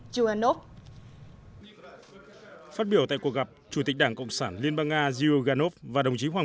triềuenov phát biểu tại cuộc gặp chủ tịch đảng cộng sản liên bang nga zhuganov và đồng chí hoàng